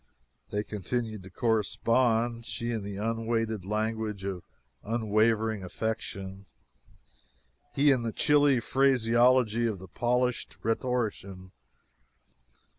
They continued to correspond, she in the unweighed language of unwavering affection, he in the chilly phraseology of the polished rhetorician.